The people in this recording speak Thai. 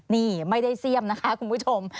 นี่ไม่ได้เสี่ยมนะคะคุณผู้ชม